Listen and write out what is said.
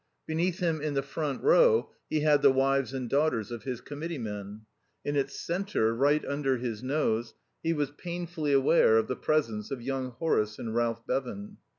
Beneath him, in the front row, he had the wives and daughters of his committeemen; in its centre, right under his nose, he was painfully aware of the presence of young Horace and Ralph Bevan.